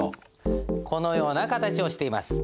このような形をしています。